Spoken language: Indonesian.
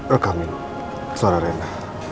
rekamin suara reina